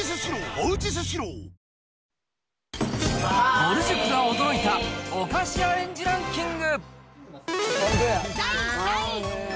ぼる塾が驚いたおかしアレンジランキング。